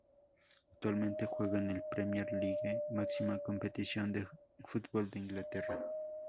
Actualmente juega en la Premier League, máxima competición de fútbol de Inglaterra.